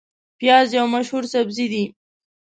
پیاز یو مشهور سبزی دی